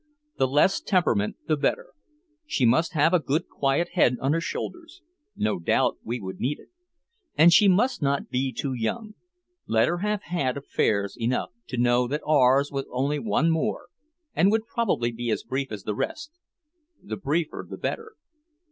The less temperament the better; she must have a good quiet head on her shoulders; no doubt we would need it. And she must not be too young. Let her have had affairs enough to know that ours was only one more and would probably be as brief as the rest the briefer the better.